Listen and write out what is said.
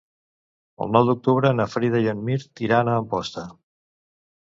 El nou d'octubre na Frida i en Mirt iran a Amposta.